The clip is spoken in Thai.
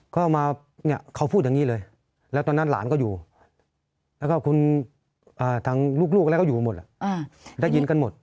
ก็มาเนี่ยเขาพูดอย่างนี้เลยแล้วตอนนั้นหลานก็อยู่แล้วก็คุณทางลูกอะไรก็อยู่หมดได้ยินกันหมด